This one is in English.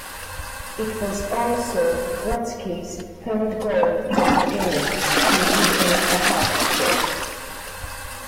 It was also Gretzky's third goal of the game, completing a hat trick.